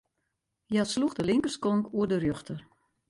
Hja sloech de linkerskonk oer de rjochter.